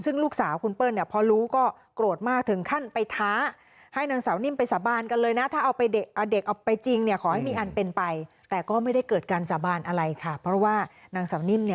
ซึ่งลูกสาวของคุณเปิ้ลเนี่ยพอรู้ก็โกรธมากถึง